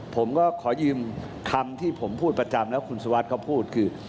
ผมก็ขอยืมคำที่ผมพูดประจำแล้วคุณสุวัสดิ์เขาพูดคือ